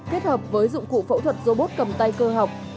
kết hợp với dụng cụ phẫu thuật robot cầm tay cơ học